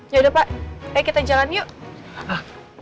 yaudah pak ayo kita jalan yuk